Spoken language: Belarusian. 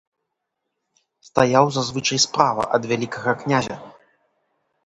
Стаяў зазвычай справа ад вялікага князя.